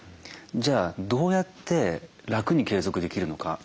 じゃあどうやって楽に継続できるのか？